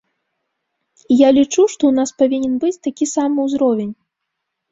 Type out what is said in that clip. І я лічу, што ў нас павінен быць такі самы ўзровень.